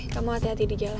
kamu hati hati di jalan